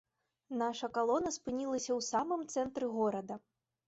Наша калона спынілася ў самым цэнтры горада.